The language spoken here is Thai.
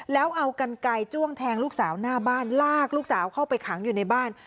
แล้วเอากันไกลจ้วงแทงลูกสาวหน้าบ้านลากลูกสาวเข้าไปขังอยู่ในบ้าน